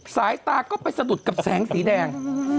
สายตาก็ไปสะดุดกับแสงสีแดง